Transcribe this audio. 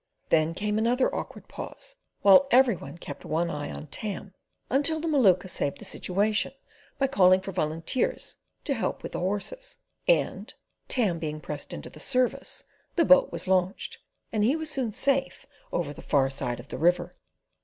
Then came another awkward pause, while every one kept one eye on Tam, until the Maluka saved the situation by calling for volunteers to help with the horses, and, Tam being pressed into the service, the boat was launched, and he was soon safe over the far side of the river.